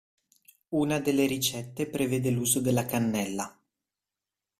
Una delle ricette prevede l'uso della cannella.